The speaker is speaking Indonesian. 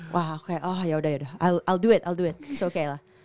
wah kayak yaudah yaudah i ll do it i ll do it it s okay lah